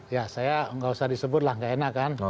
ya saya nggak usah disebut lah nggak enak kan